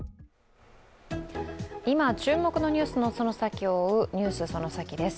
今注目のニュースのその先を追う「ＮＥＷＳそのサキ！」です。